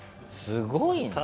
すごいな。